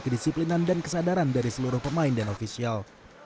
kedisiplinan dan kesadaran dari seluruh pemain dan ofisial